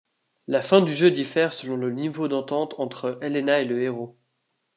La fin du jeu diffère selon le niveau d'entente entre Elena et le héros.